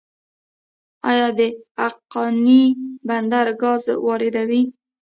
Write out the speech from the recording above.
آیا د اقینې بندر ګاز واردوي؟